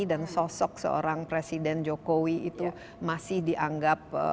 dan sosok seorang presiden jokowi itu masih dianggap